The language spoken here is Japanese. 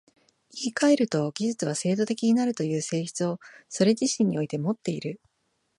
言い換えると、技術は制度的になるという性質をそれ自身においてもっている。